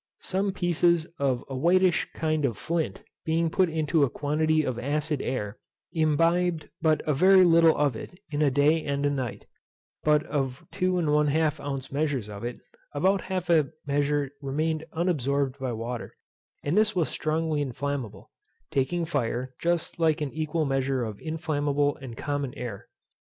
Some pieces of a whitish kind of flint, being put into a quantity of acid air, imbibed but a very little of it in a day and a night; but of 2 1/2 ounce measures of it, about half a measure remained unabsorbed by water, and this was strongly inflammable, taking fire just like an equal mixture of inflammable and common air.